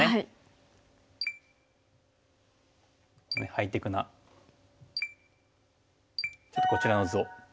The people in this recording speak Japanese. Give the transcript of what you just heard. ハイテクなちょっとこちらの図を。